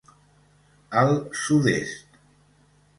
Al sud-est.